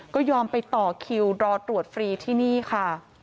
ก็ยอมไปต่อคิวรอตรวจฟรีที่นี่ค่ะ